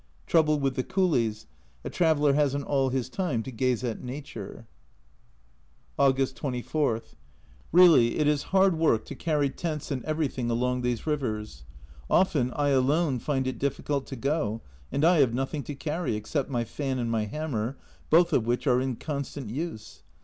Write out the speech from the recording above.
Trouble with the coolies a traveller hasn't all his time to gaze at Nature. August 24. Really it is hard work to carry tents and everything along these rivers. Often I alone find it difficult to go, and I have nothing to carry except my fan and my hammer, both of which are in constant use.